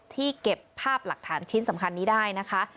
เก็บภาพหลักฐานชิ้นสำคัญนี้ได้นะคะ